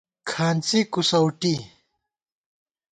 کھانڅی کُوسَؤٹی